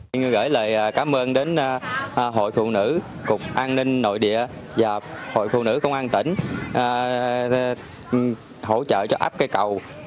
xin gửi lời cảm ơn đến hội phụ nữ cục an ninh nội địa và hội phụ nữ công an tỉnh hỗ trợ cho áp cây cầu